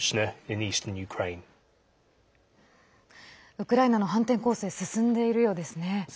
ウクライナの反転攻勢、進んでいるようですね。